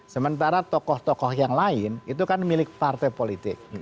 sementara tokoh tokoh yang lain itu kan milik partai politik